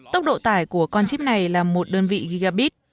tốc độ tải của con chip này là một đơn vị gigabit